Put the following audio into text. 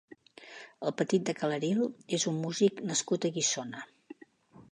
El Petit de Cal Eril és un músic nascut a Guissona.